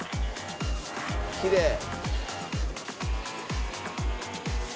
きれい。